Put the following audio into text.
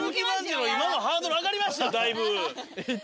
今のハードル上がりましたよ。